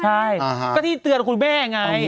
ใช่ก็ที่เตือนคุณแม่ไง